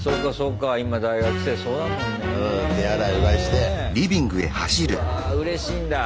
うわうれしいんだ。